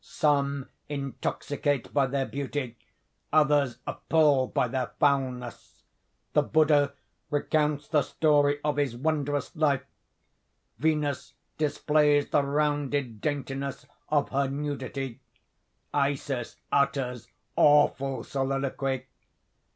Some intoxicate by their beauty; others appall by their foulness. The Buddha recounts the story of his wondrous life; Venus displays the rounded daintiness of her nudity; Isis utters awful soliloquy.